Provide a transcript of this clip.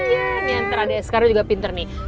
ini antara sekarang juga pinter nih